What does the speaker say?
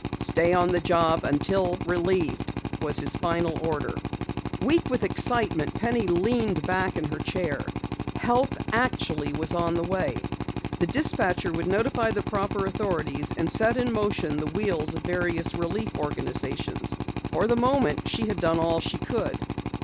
"Stay on the job until relieved," was his final order. Weak with excitement, Penny leaned back in her chair. Help actually was on the way! The dispatcher would notify the proper authorities and set in motion the wheels of various relief organizations. For the moment she had done all she could.